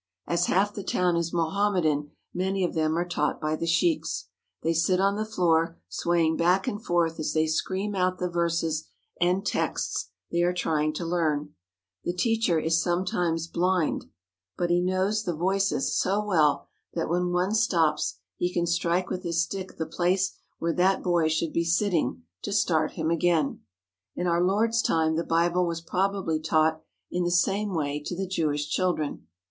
As half the town is Mo hammedan, many of them are taught by the sheiks. They sit on the floor, swaying back and forth as they scream out the verses and texts they are trying to learn. The teacher is sometimes blind, but he knows the voices 184 WHERE OUR SAVIOUR SPENT HIS BOYHOOD so well that when one stops he can strike with his stick the place where that boy should be sitting to start him again. In our Lord's time the Bible was probably taught in the same way to the Jewish children.